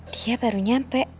dia baru nyampe